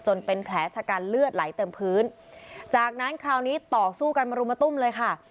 เป็นแผลชะกันเลือดไหลเต็มพื้นจากนั้นคราวนี้ต่อสู้กันมารุมตุ้มเลยค่ะ